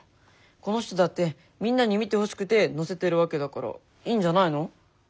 この人だってみんなに見てほしくて載せてるわけだからいいんじゃないの？